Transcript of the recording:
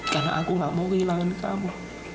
karena aku gak mau kehilangan kamu